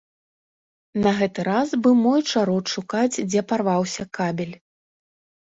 На гэты раз быў мой чарод шукаць, дзе парваўся кабель.